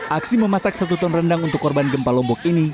aksi memasak satu ton rendang untuk korban gempa lombok ini